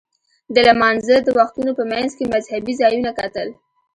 د لمانځه د وختونو په منځ کې مذهبي ځایونه کتل.